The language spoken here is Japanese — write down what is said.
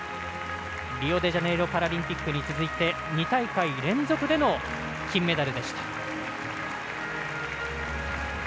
リオデジャネイロパラリンピックに続いて２大会連続での金メダルでした。